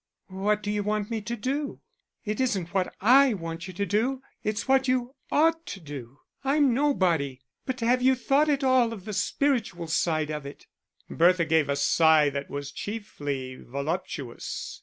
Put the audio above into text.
"What do you want me to do?" "It isn't what I want you to do. It's what you ought to do. I'm nobody. But have you thought at all of the spiritual side of it?" Bertha gave a sigh that was chiefly voluptuous.